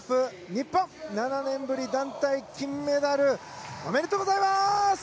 日本、７年ぶり団体金メダルおめでとうございます！